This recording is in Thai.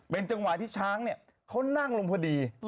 เป็นจังหวะที่ช้างเนี่ยเขานั่งลงพอดี